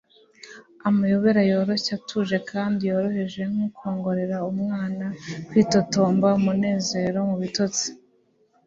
Amayobera yoroshye atuje kandi yoroheje nkukwongorera umwana kwitotomba umunezero mubitotsi